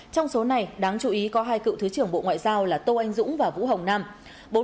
trong số này đáng chú ý có hai cựu thứ trưởng bộ ngoại giao là tô anh dũng và vũ hồng nam